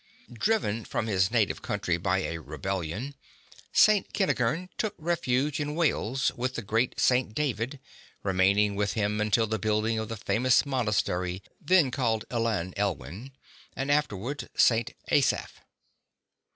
Driven from his native country by a rebellion, St. Kenti gern took refuge in Wales with the great St. David, remain ing with him until the building of the famous monastery then called Llan Elwy, and afterwards St. Asaph.